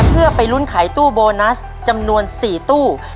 เพื่อไปลุ้นขายตู้โบนัสจำนวน๔ตู้